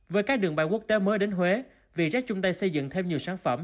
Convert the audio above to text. với các đường bay quốc tế mới đến huế vietjet chung tay xây dựng thêm nhiều sản phẩm